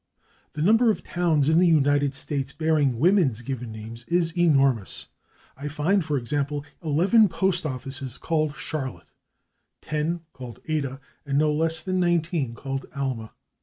The number of towns in the United States bearing women's given names is enormous. [Pg289] I find, for example, eleven postoffices called /Charlotte/, ten called /Ada/ and no less than nineteen called /Alma